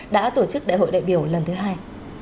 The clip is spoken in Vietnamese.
đã tổ chức đại hội đại biểu lần thứ hai